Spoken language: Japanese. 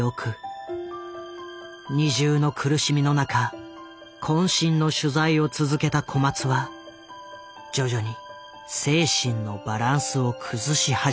二重の苦しみの中渾身の取材を続けた小松は徐々に精神のバランスを崩し始める。